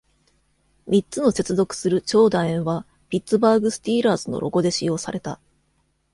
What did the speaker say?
三つの接続する超楕円はピッツバーグスティーラーズのロゴで使用された。